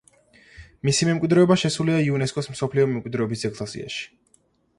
მისი მემკვიდრეობა შესულია იუნესკოს მსოფლიო მემკვიდრეობის ძეგლთა სიაში.